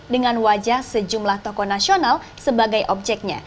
dengan wajah sejumlah tokoh nasional sebagai objeknya